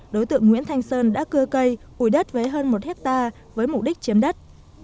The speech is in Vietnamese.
đối tượng nguyễn thanh sơn đã cưa cây ủi đất với hơn một hectare với mục đích chiếm đất